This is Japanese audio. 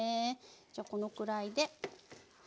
じゃあこのくらいで。